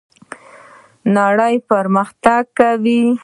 نړۍ پرمختګ کوي